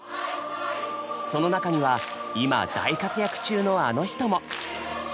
その中には今大活躍中のあの人も！